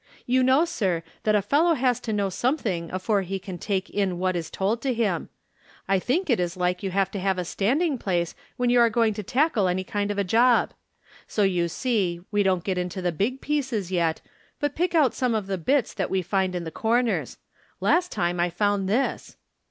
You know, sir, that a fellow has to know something afore he can take in what is told to him. I think it is like you have to have a standing place when you are going to tackle any kind of a job. So you see we don't get into the big pieces yet, but pick out some of the bits that we find in the corners. Last time I found this."